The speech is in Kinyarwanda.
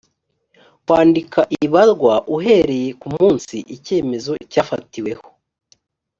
kwandika ibarwa uhereye ku munsi icyemezo cyafatiweho